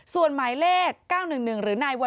ส่วนหมายเลข๙๑๑หรือนายวร